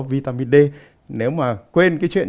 vitamin d nếu mà quên cái chuyện